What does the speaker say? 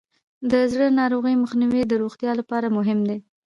د زړه ناروغیو مخنیوی د روغتیا لپاره مهم دی.